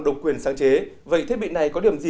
độc quyền sáng chế vậy thiết bị này có điểm gì